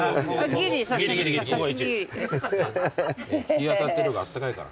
日当たってる方があったかいから。